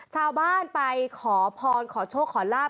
ชาวบ้านไปขอพรขอโชคขอลาบ